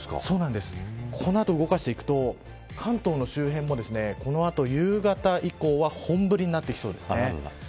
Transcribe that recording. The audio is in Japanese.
この後動かしていくと関東の周辺もこの後、夕方以降は本降りになってきそうですね。